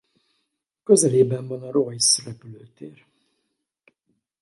Közelében van a Reus repülőtér.